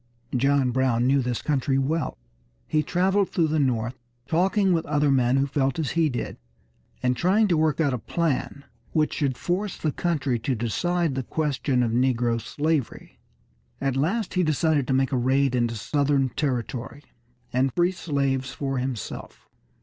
John Brown knew this country well. He traveled through the North, talking with other men who felt as he did, and trying to work out a plan which should force the country to decide this question of negro slavery. At last he decided to make a raid into Southern territory, and free slaves for himself.